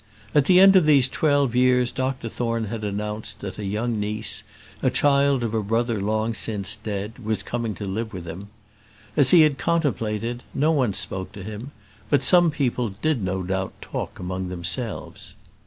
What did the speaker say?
At the end of these twelve years, Dr Thorne had announced, that a young niece, a child of a brother long since dead, was coming to live with him. As he had contemplated, no one spoke to him; but some people did no doubt talk among themselves.